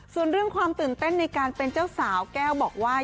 ส่วนเรื่องความตื่นเต้นในการเป็นเจ้าสาวแก้วบอกว่า